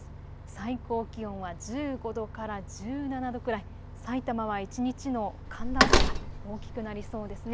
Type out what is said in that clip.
最高気温は１５度から１７度くらい、さいたまは一日の寒暖差が大きくなりそうですね。